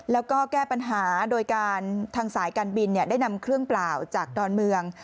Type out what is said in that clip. แล้วก็แก้ปัญหาโดยการทางสายการบินได้นำเครื่องเปล่าจากดอนเมือง